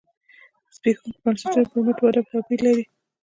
د زبېښونکو بنسټونو پر مټ وده توپیر لري.